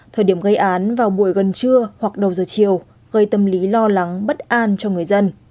thời điểm gây án vào buổi gần trưa hoặc đầu giờ chiều gây tâm lý lo lắng bất an cho người dân